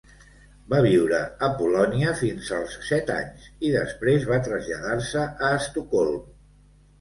Va viure a Polònia fins als set anys i després va traslladar-se a Estocolm.